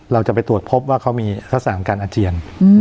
เราจะไปตรวจพบว่าเขามีลักษณะของการอาเจียน